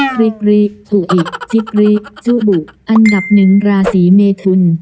คริกริจูอิจิกรีจุบุอันดับหนึ่งราศีเมทุน